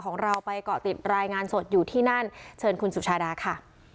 ของเราไปเกาะติดรายงานสดอยู่ที่นั่นเชิญคุณสุชาดาค่ะ